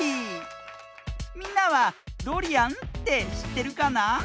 みんなはドリアンってしってるかな？